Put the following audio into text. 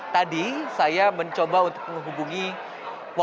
tadi saya mencoba untuk menghubungi wakil perusahaan